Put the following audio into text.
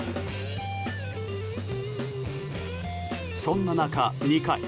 そんな中、２回。